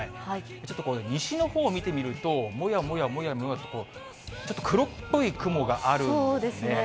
ちょっと西のほうを見てみると、もやもやもやもやと、ちょっと黒っぽい雲があるんです。